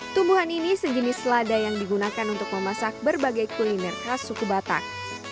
tumbuhan ini sejenis lada yang digunakan untuk memasak berbagai kuliner khas suku batak